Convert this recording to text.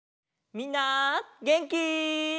みんなげんき？